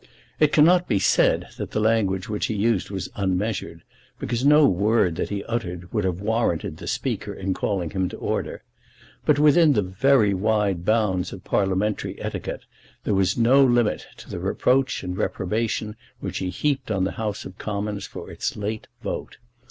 It cannot be said that the language which he used was unmeasured, because no word that he uttered would have warranted the Speaker in calling him to order; but, within the very wide bounds of parliamentary etiquette, there was no limit to the reproach and reprobation which he heaped on the House of Commons for its late vote.